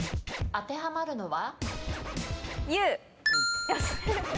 当てはまるのは？